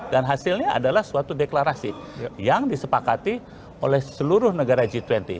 dan hasilnya adalah suatu deklarasi yang disepakati oleh seluruh negara g dua puluh